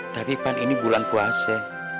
tapi pan ini bulan puasa